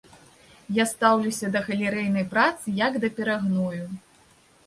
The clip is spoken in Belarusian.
Я стаўлюся да галерэйнай працы як да перагною.